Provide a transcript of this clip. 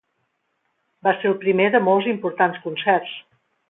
Va ser el primer de molts i importants concerts.